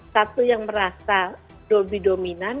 satu yang merasa lebih dominan